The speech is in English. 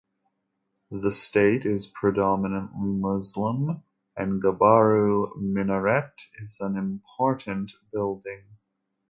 The state is predominantly Muslim, and Gobarau Minaret is an important building.